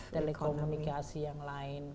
telekomunikasi yang lain